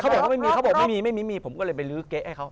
เขาบอกไม่มีไม่มีไม่มีผมก็เลยไปลื้อเกะให้เขา